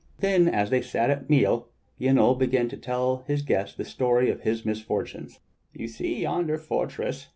Then as they sat at meat Yniol began to tell his guest the story of his misfortunes. "You see yonder fortress.